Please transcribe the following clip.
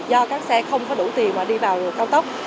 do các xe không có đủ tiền mà đi vào cao tốc